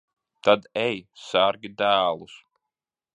Tad ej, sargi dēlus.